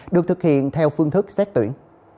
được thực hiện theo phương thức xét tuyển